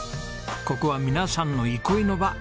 ここは皆さんの憩いの場。